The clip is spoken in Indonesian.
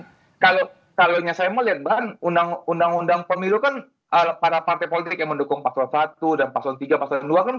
ya karena kalau saya melihat bang undang undang pemilu kan para partai politik yang mendukung pak sloan i dan pak sloan iii pak sloan ii kan berbeda